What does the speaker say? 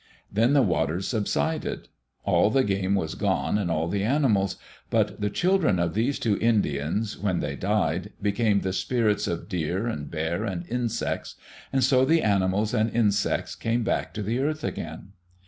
Then the waters subsided. All the game was gone, and all the animals. But the children of these two Indians, when they died, became the spirits of deer and bear and insects, and so the animals and insects came back to the earth again.